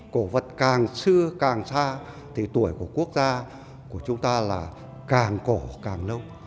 cổ vật càng xưa càng xa thì tuổi của quốc gia của chúng ta là càng cổ càng lâu